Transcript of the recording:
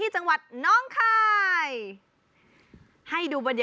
สุดยอดน้ำมันเครื่องจากญี่ปุ่น